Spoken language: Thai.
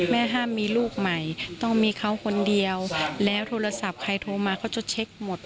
แม่ห้ามมีลูกใหม่ต้องมีเขาคนเดียวแล้วโทรศัพท์ใครโทรมาเขาจะเช็คหมด